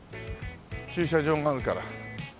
駐車場があるから。